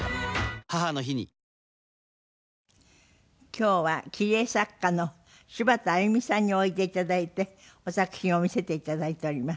今日は切り絵作家の柴田あゆみさんにおいで頂いてお作品を見せて頂いております。